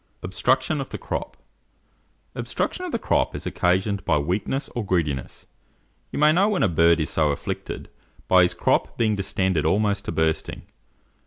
OBSTRUCTION OF THE CROP. Obstruction of the crop is occasioned by weakness or greediness. You may know when a bird is so afflicted by his crop being distended almost to bursting.